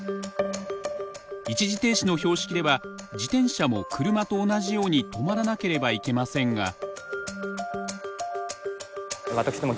一時停止の標識では自転車も車と同じように止まらなければいけませんが。